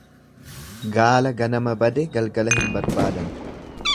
Gaala ganama bade galgala hin barbaadan.